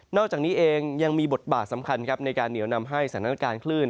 อกจากนี้เองยังมีบทบาทสำคัญครับในการเหนียวนำให้สถานการณ์คลื่น